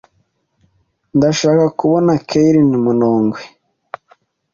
Ndashaka kubona Kylie Minogue.